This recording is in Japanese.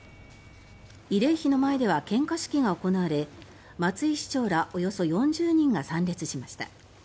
慰霊碑の前では献花式が行われ松井市長らおよそ４０人が参列しました。